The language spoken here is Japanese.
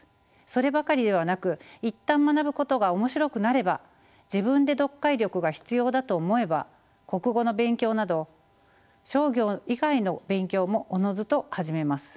そればかりではなく一旦学ぶことが面白くなれば自分で読解力が必要だと思えば国語の勉強など商業以外の勉強もおのずと始めます。